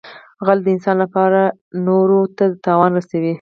غل د ځان لپاره نورو ته تاوان رسوي